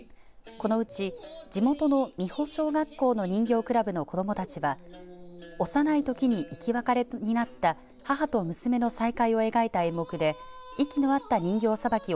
このうち地元の三保小学校の人形クラブの子どもたちは幼いときに生き別れとなった母と娘の再会を描いた演目で息の合った人形さばきを